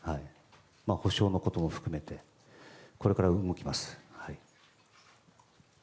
補償のことも含めてこれから動きます。